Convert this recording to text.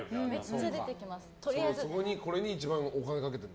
それに一番お金かけてる？